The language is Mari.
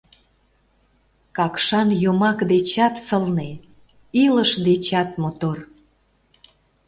Какшан йомак дечат сылне, илыш дечат мотор.